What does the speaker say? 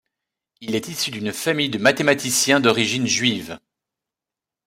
Il est issu d'une famille de mathématiciens d'origine juive.